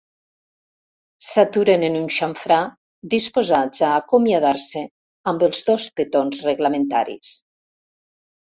S'aturen en un xamfrà, disposats a acomiadar-se amb els dos petons reglamentaris.